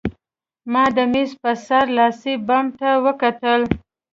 ما د مېز په سر لاسي بم ته وکتل